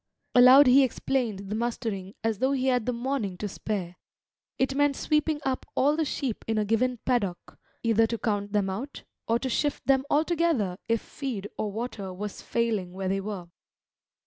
Aloud he explained the mustering as though he had the morning to spare. It meant sweeping up all the sheep in a given paddock, either to count them out, or to shift them altogether if feed or water was failing where they were.